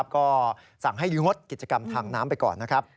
ก็สั่งให้งดกิจกรรมทางน้ำไปก่อนนะครับ